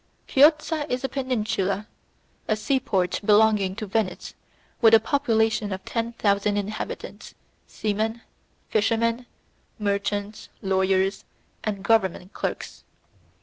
Chiozza is a peninsula, a sea port belonging to Venice, with a population of ten thousand inhabitants, seamen, fishermen, merchants, lawyers, and government clerks.